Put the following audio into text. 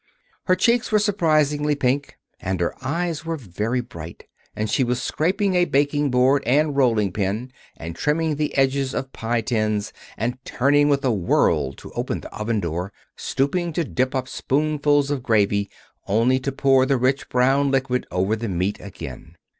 Her cheeks were surprisingly pink, and her eyes were very bright, and she was scraping a baking board and rolling pin, and trimming the edges of pie tins, and turning with a whirl to open the oven door, stooping to dip up spoonfuls of gravy only to pour the rich brown liquid over the meat again.